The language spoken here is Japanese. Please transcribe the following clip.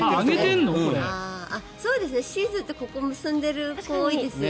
シーズーってここを結んでる子が多いですよね。